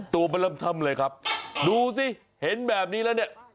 ตัวมันเริ่มเทิมเลยครับดูสิเห็นแบบนี้แล้วเนี่ย